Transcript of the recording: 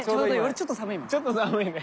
ちょっと寒いね。